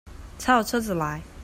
才有車子來